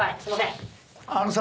あのさ。